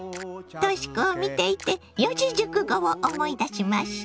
とし子を見ていて四字熟語を思い出しました。